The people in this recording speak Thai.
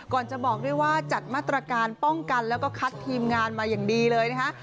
ก่อนจะบอกด้วยว่าจัดมาตรการป้องกันแล้วก็คัดทีมงานมาอย่างดีเลยนะคะ